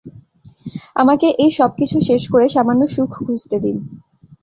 আমাকে এই সবকিছু শেষ করে সামান্য সুখ খুঁজতে দিন।